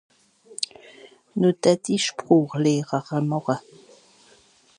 no d'hatt'i spràchlehrere màche